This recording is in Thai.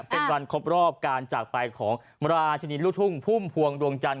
เป็นวันครบรอบการจากไปของราชินีลูกทุ่งพุ่มพวงดวงจันท